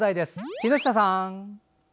木下さん。